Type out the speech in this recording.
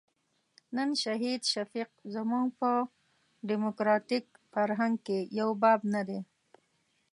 نن شهید شفیق زموږ په ډیموکراتیک فرهنګ کې یو باب نه دی.